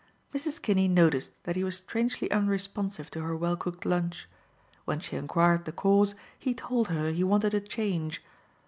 Mrs. Kinney noticed that he was strangely unresponsive to her well cooked lunch. When she enquired the cause he told her he wanted a change.